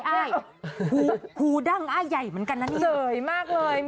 เจ๋ยมากเลยมีเท่าไหร่เห็นหมดนะพี่หม่ำ